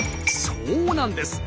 そうなんです。